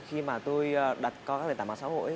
khi mà tôi đặt qua các nền tảng mạng xã hội